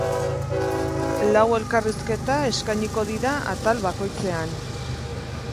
Lau elkarrizketa eskainiko dira atal bakoitzean.